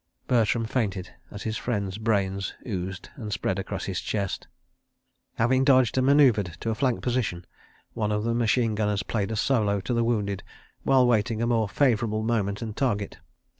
Bertram fainted as his friend's brains oozed and spread across his chest. Having dodged and manœuvred to a flank position, one of the machine gunners played a solo to the wounded while waiting a more favourable moment and target.